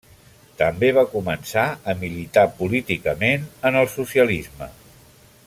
També va començar a militar políticament en el socialisme.